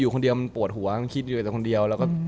อยู่กับคนเดียวมันปวดหัวมันคิดอยู่แต่คนเดียว